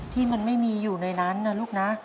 ที่มันไม่มีอยู่ในนั้นนะลูกนะ